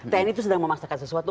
tni itu sedang memaksakan sesuatu